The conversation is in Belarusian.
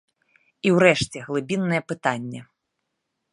І ўрэшце, глыбіннае пытанне.